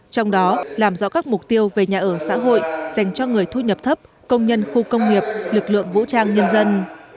trong đó làm rõ các mục tiêu về nhà ở xã hội dành cho người thu nhập thấp công nhân khu công nghiệp lực lượng vũ trang nhân dân